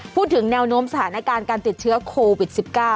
พูดถึงแนวโน้มสถานการณ์การติดเชื้อโควิด๑๙